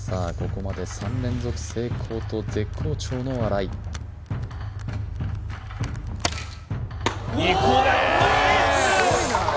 ここまで３連続成功と絶好調の新井おおっ！